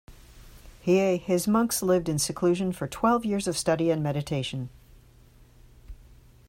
Hiei, his monks lived in seclusion for twelve years of study and meditation.